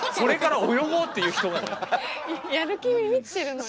やる気に満ちてるのに。